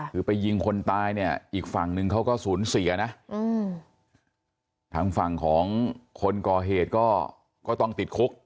คือไปยิงคนตายเนี่ยอีกฝั่งนึงเขาก็สูญเสียนะทางฝั่งของคนก่อเหตุก็ต้องติดคุก